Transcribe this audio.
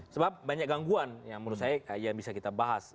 sebab banyak gangguan yang menurut saya yang bisa kita bahas